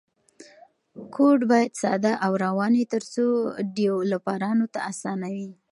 کوډ باید ساده او روان وي ترڅو ډیولپرانو ته اسانه وي.